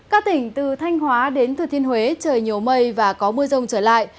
các tỉnh từ thanh hóa đến thừa thiên huế trời nhiều mây và có mưa rông trở lại